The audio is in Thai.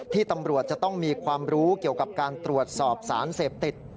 ตำรวจจะต้องมีความรู้เกี่ยวกับการตรวจสอบสารเสพติด